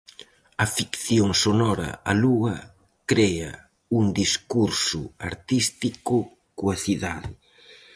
"A ficción sonora 'A Lúa' crea un discurso artístico coa cidade".